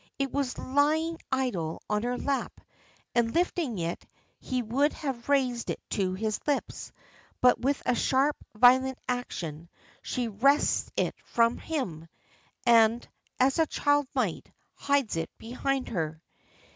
It was lying idle on her lap, and lifting it, he would have raised it to his lips, but with a sharp, violent action she wrests it from him, and, as a child might, hides it behind her.